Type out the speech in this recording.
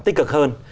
tích cực hơn